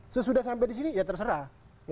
sesudah sampai disini ya terserah